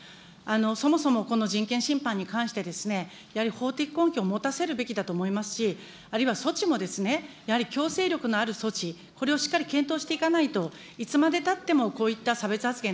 そもそもこの人権侵犯に関して、やはり法的根拠を持たせるべきだと思いますし、あるいは措置も、やはり強制力のある措置、これをしっかり検討していかないと、いつまでたっても、こういった差別発言